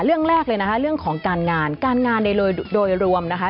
เรื่องแรกเลยนะคะเรื่องของการงานการงานโดยโดยรวมนะคะ